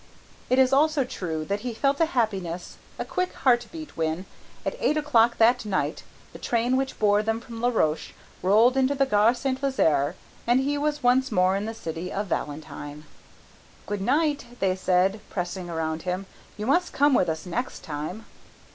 It is also true that he felt a happiness, a quick heart beat when, at eight o'clock that night the train which bore them from La Roche rolled into the Gare St. Lazare and he was once more in the city of Valentine. "Good night," they said, pressing around him. "You must come with us next time!"